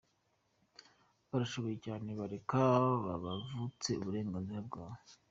Barashoboye cyane bareke kubavutsa uburenganzira bwabo.